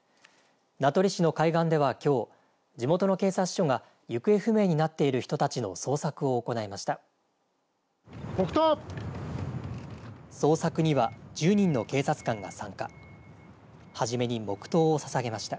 名取市の海岸ではきょう地元の警察署が行方不明になっている人たちの捜索を行いました。